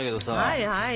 はいはい。